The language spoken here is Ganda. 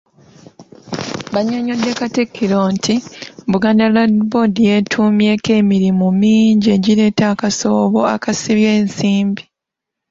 Bannyonnyodde Katikkiro nti Buganda Land Board yeetuumyeeko emirimu mingi egireeta akasoobo akasibye ensimbi.